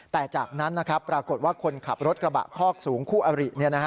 แต่จากนั้นปรากฏว่าคนขับรถกระบะคอกสูงคู่อริ